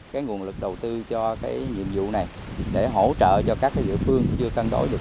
cái nguồn lực đầu tư cho cái nhiệm vụ này để hỗ trợ cho các địa phương chưa cân đổi được